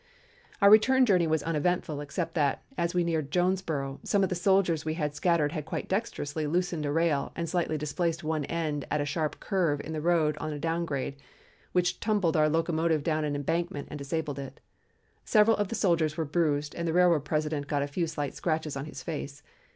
"Our return journey was uneventful except that, as we neared Jonesboro, some of the soldiers we had scattered had quite dexterously loosened a rail and slightly displaced one end at a sharp curve in the road on a down grade, which tumbled our locomotive down an embankment and disabled it. Several of the soldiers were bruised and the railroad President got a few slight scratches on his face.